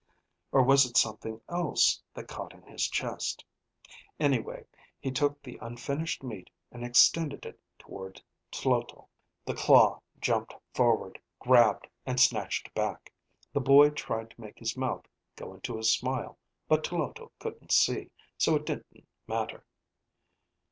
(Or was it something else that caught in his chest?) Anyway, he took the unfinished meat and extended it toward Tloto. The claw jumped forward, grabbed, and snatched back. The boy tried to make his mouth go into a smile. But Tloto couldn't see, so it didn't matter.